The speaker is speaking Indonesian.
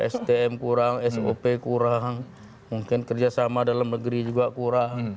stm kurang sop kurang mungkin kerja sama dalam negeri juga kurang